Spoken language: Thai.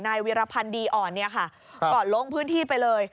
นายวิรพันธ์ดีอ่อนก่อนลงพื้นที่ไปเลย